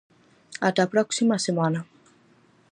Ata a próxima semana.